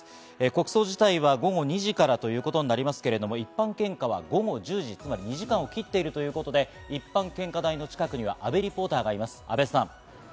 国葬自体は午後２時からということになりますが、一般献花は午後１０時、２時間を切っているということで一般献花台の近くには阿部リポーターがいます。